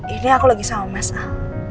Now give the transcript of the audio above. ini aku lagi sama mas ah